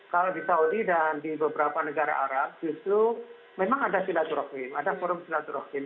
kalau di saudi dan di beberapa negara arab justru memang ada sholatul rahim ada forum sholatul rahim